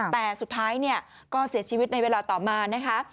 แต่สุดท้ายก็เสียชีวิตในเวลาต่อมานะคะ